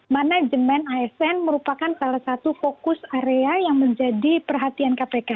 manajemen asn merupakan salah satu fokus area yang menjadi perhatian kpk